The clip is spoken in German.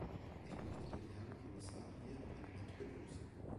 Ich möchte den Herrn Kommissar hier im Parlament begrüßen!